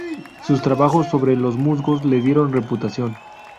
Sus trabajos sobre los musgos le dieron reputación.